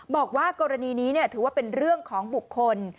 บอกว่ากรณีนี้ถือว่าเป็นเรื่องของบุคคล